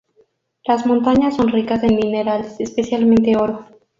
Las montañas son ricas en minerales, especialmente oro.